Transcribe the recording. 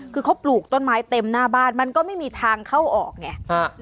คือเขาปลูกต้นไม้เต็มหน้าบ้านมันก็ไม่มีทางเข้าออกไง